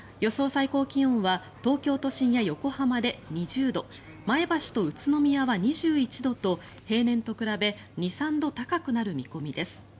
最高気温は東京都心や横浜で２０度前橋と宇都宮は２１度と平年と比べ２３度高くなる見込みです。